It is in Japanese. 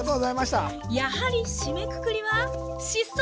やはり締めくくりは疾走！